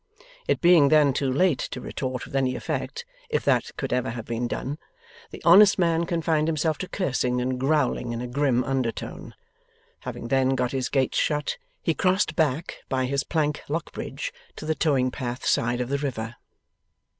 It being then too late to retort with any effect if that could ever have been done the honest man confined himself to cursing and growling in a grim under tone. Having then got his gates shut, he crossed back by his plank lock bridge to the towing path side of the river.